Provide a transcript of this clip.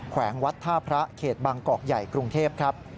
แวงวัดท่าพระเขตบางกอกใหญ่กรุงเทพครับ